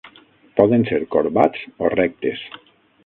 Poden ser corbats o rectes.